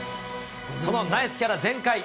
そのナイスキャラ全開。